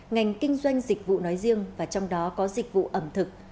ngành kinh doanh dịch vụ nói riêng và trong đó có dịch vụ ẩm thực